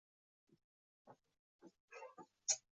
Otang rozi, onamning bu gaplari meni battar qayg`uga soldi